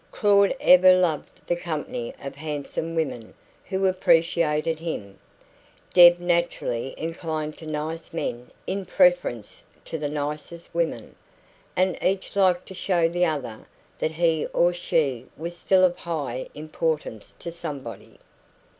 Claud ever loved the company of handsome women who appreciated him; Deb naturally inclined to nice men in preference to the nicest women; and each liked to show the other that he or she was still of high importance to somebody.